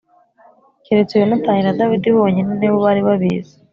keretse Yonatani na Dawidi bonyine ni bo bari babizi.